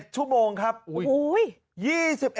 ชั่วโมงครับ